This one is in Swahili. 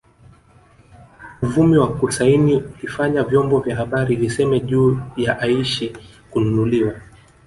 Uvumi wa kusaini ulifanya vyombo vya habari viseme juu ya Aishi kununuliwa